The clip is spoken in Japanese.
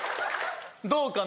どうかな？